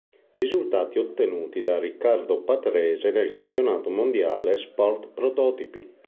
Risultati ottenuti da Riccardo Patrese nel Campionato mondiale sportprototipi.